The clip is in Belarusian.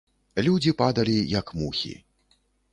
Людзі падалі, як мухі.